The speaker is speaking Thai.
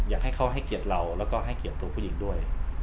อยากให้เขาให้เกียรติเราแล้วก็ให้เกียรติตัวผู้หญิงด้วย